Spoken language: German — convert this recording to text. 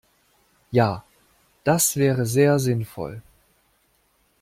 Ja, das wäre sehr sinnvoll.